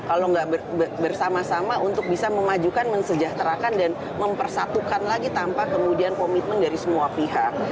kalau nggak bersama sama untuk bisa memajukan mensejahterakan dan mempersatukan lagi tanpa kemudian komitmen dari semua pihak